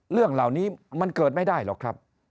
เรื่องเหล่านี้มันเกิดไม่ได้หรอกครับ